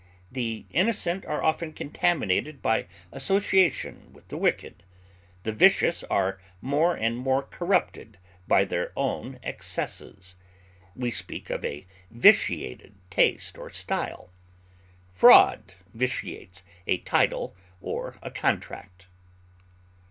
The innocent are often contaminated by association with the wicked; the vicious are more and more corrupted by their own excesses. We speak of a vitiated taste or style; fraud vitiates a title or a contract.